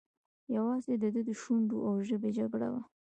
یوازې د ده د شونډو او ژبې جګړه وه.